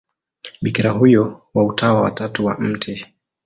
Bikira huyo wa Utawa wa Tatu wa Mt.